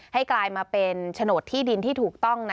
กลายมาเป็นโฉนดที่ดินที่ถูกต้อง